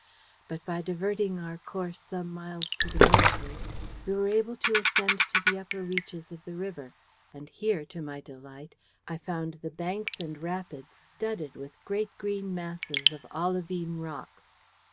But, by diverting our course some miles to the northward, we were able to ascend to the upper reaches of the river, and, here, to my delight, I found the banks and rapids studded with great green masses of olivine rocks.